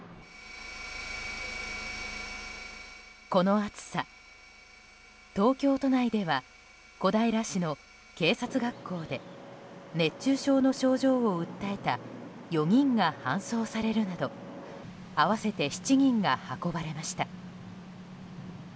この暑さ、東京都内では小平市の警察学校で熱中症の症状を訴えた４人が搬送されるなど合わせて７人が運ばれました。